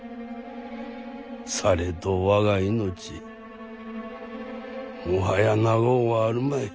されど我が命もはや長うはあるまい。